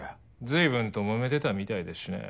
随分ともめてたみたいですしね。